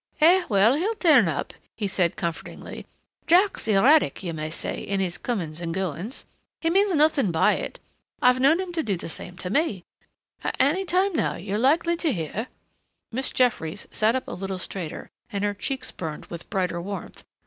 "Eh, well, he'll turn up," he said comfortingly. "Jack's erratic, you may say, in his comings and goings. He means nothing by it.... I've known him do the same to me.... Any time, now; you're likely to hear " Miss Jeffries sat up a little straighter and her cheeks burned with brighter warmth.